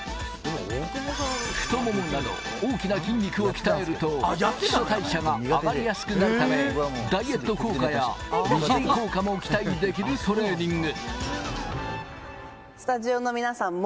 太ももなど大きな筋肉を鍛えると、基礎代謝が上がりやすくなるため、ダイエット効果や美尻効果も期待できるトレーニング。